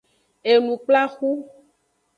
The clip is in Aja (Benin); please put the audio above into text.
Enukplaxu.